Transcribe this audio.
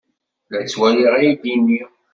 La ttwaliɣ aydi-nni.